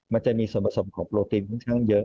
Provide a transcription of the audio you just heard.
มันจะมีส่วนผสมของโรตีนค่อนข้างเยอะ